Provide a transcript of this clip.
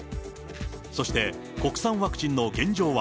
そして国産ワクチンの現状は。